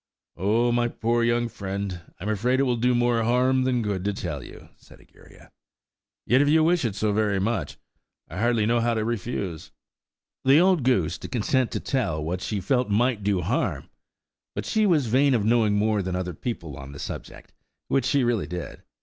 "Oh, my poor young friend, I'm afraid it will do more harm than good to tell you," said Egeria, "yet, if you wish it so very much, I hardly know how to refuse." The old goose, to consent to tell what she felt might do harm! But she was vain of knowing more than other people on the subject, which she really did.